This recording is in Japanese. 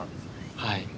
はい。